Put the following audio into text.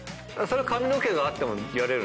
髪の毛があってもやれる？